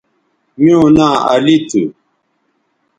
میوں ناں علی تھو